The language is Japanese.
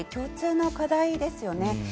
世界共通の課題ですよね。